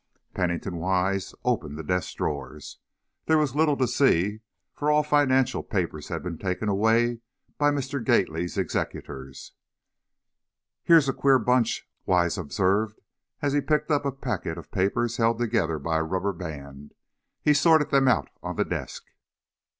Pennington Wise opened the desk drawers. There was little to see, for all financial papers had been taken away by Mr. Gately's executors. "Here's a queer bunch," Wise observed, as he picked up a packet of papers held together by a rubber band. He sorted them out on the desk.